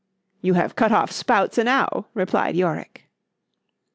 —You have cut off spouts enow, replied _Yorick.